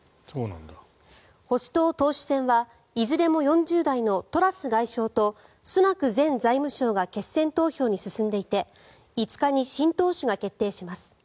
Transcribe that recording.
保守党党首選はいずれも４０代のトラス外相とスナク前財務相が決選投票に進んでいて５日に新党首が決定します。